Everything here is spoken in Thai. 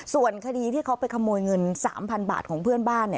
ส่วนคดีที่เขาไปขโมยเงิน๓๐๐๐บาทของเพื่อนบ้าน